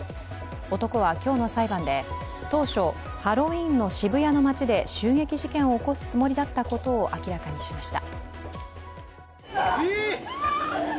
男は今日の裁判で最初、ハロウィーンの渋谷の街で襲撃事件を起こすつもりだったことを明らかにしました。